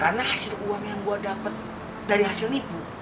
karena hasil uang yang gue dapet dari hasil ibu